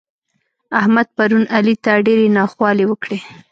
احمد پرون علي ته ډېرې ناخوالې وکړې.